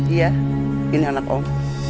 iya ini anak om